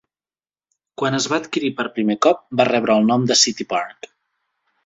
Quan es va adquirir per primer cop, va rebre el nom de "City Park".